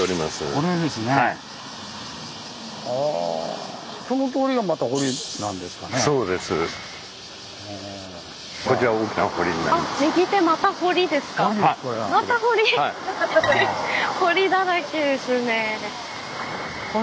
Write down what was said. これは。堀だらけですね。